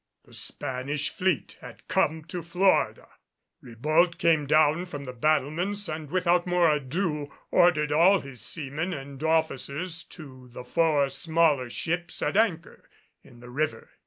The Spanish fleet had come to Florida! Ribault came down from the battlements and without more ado ordered all his seamen and officers to the four smaller ships at anchor in the river.